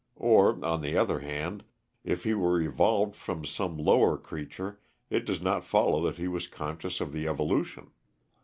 Or, on the other hand, if he were evolved from some lower creature it does not follow that he was conscious of the evolution.